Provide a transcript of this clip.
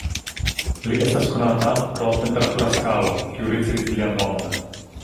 Li estas konata pro la temperatura skalo, kiu ricevis lian nomon.